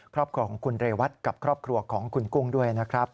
ครอบครัวของคุณเรวัตกับครอบครัวของคุณกุ้งด้วยนะครับ